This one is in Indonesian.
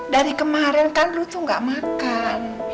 dari kemarin kan lu tuh gak makan